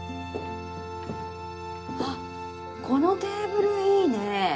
あこのテーブルいいね。